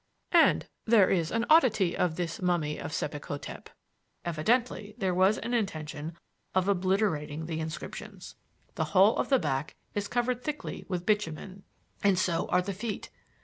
And there is the oddity of this mummy of Sebek hotep. Evidently there was an intention of obliterating the inscriptions. The whole of the back is covered thickly with bitumen, and so are the feet.